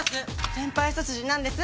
先輩一筋なんです！